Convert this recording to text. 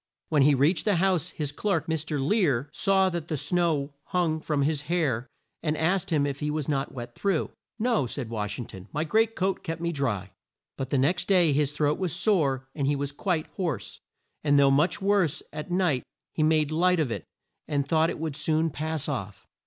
When he reached the house his clerk, Mr. Lear, saw that the snow hung from his hair, and asked him if he was not wet through. "No," said Wash ing ton, "my great coat kept me dry." But the next day his throat was sore and he was quite hoarse; and though much worse at night he made light of it and thought it would soon pass off.